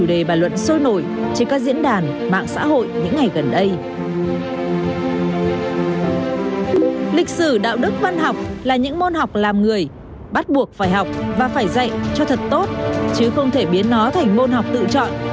lịch sử là những môn học làm người bắt buộc phải học và phải dạy cho thật tốt chứ không thể biến nó thành môn học tự chọn